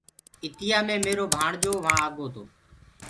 اِتيآ مي ميرو ڀآڻجو وهآنٚ آگو تو